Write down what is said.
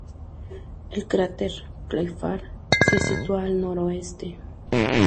El cráter Playfair se sitúa al noreste.